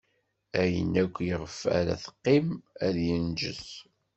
Ayen akk iɣef ara teqqim, ad inǧes.